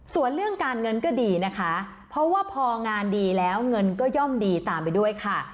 ส่วนเรื่องการเงินก็ดีนะคะเพราะว่าพองานดีแล้วเงินก็ย่อมดีตามไปด้วยค่ะ